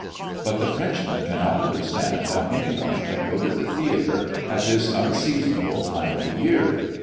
But the Frenchman cannot understand how any one can go to the theatre at this unseasonable time of the year.